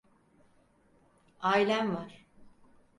Ailem var.